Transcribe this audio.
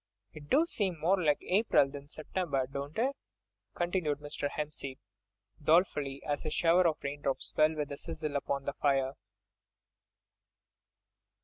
"It do seem more like April than September, don't it?" continued Mr. Hempseed, dolefully, as a shower of raindrops fell with a sizzle upon the fire.